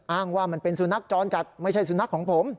อ้างว่ามันเป็นสุนัขจรจัดไม่ใช่สุนัขของผม